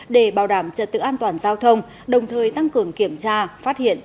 để bảo đảm trật tự an toàn giao thông đồng thời tăng cường kiểm tra phát hiện